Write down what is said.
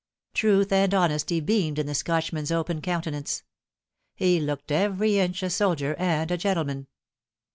Truth and honesty beamed in the Scotchman's open countenance. He looked every inch a soldier and a gentleman.